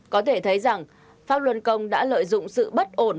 có thể thấy rằng pháp luân công đã lợi dụng sự bất ổn